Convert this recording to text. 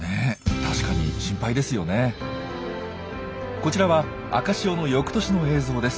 こちらは赤潮の翌年の映像です。